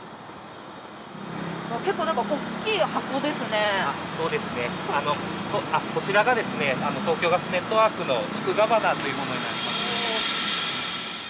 結構、そうですね、こちらが東京ガスネットワークの地区ガバナというものになります。